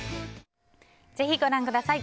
ぜひご覧ください。